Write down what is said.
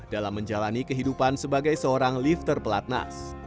dalam menjalani kehidupan sebagai seorang lifter pelatnas